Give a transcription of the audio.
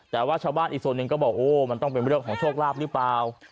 แต่ว่าชาวบ้านอีกส่วนหนึ่งก็บอกโอ้มันต้องเป็นเรื่องของโชคลาภหรือเปล่า